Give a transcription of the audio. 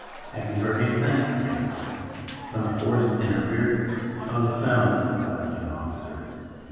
"Have you heard anything," he asked, quietly, "from the forest in our rear?" "Not a sound," replied the young officer.